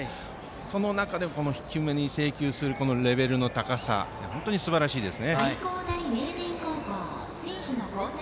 その中で低めに制球するレベルの高さは本当にすばらしいです。